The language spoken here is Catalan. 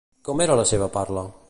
Com era la seva parla?